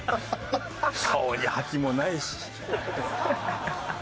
顔に覇気もないし。